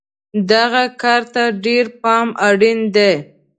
دغه کار ته ډېر پام اړین دی.